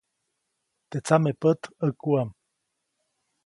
Teʼ tsamepät ʼäkuʼam.